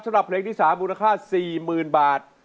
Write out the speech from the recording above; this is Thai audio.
สำหรับเพลงที่๓มูลค่า๔๐๐๐บาท